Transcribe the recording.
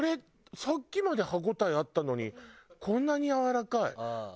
さっきまで歯応えあったのにこんなにやわらかい。